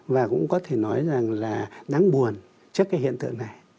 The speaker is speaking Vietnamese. và cũng có thể nói rằng là đáng buồn trước cái hiện tượng này